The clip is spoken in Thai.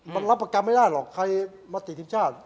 มันรับประกันไม่ได้หรอกใครมาติดทีมชาติ